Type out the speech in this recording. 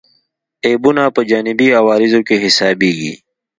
عیبونه په جانبي عوارضو کې حسابېږي.